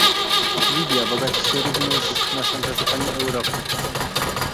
Libia bogaci się również na szantażowaniu Europy